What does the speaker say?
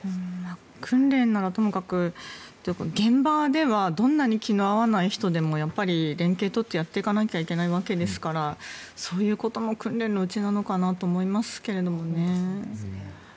訓練ならともかく現場ではどんなに気の合わない人でも連携を取ってやっていかなきゃいけないわけですからそういうことも訓練のうちなのかなと思いますけどね。